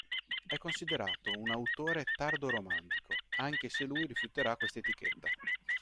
È considerato un autore tardo-romantico, anche se lui rifiuterà questa etichetta.